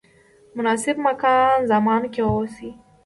مناسب مکان زمان کې واوسئ.